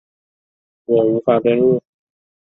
我无法登入